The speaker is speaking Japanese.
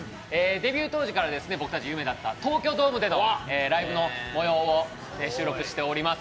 デビュー当時から僕たち夢だった東京ドームでのライブの模様を収録しております。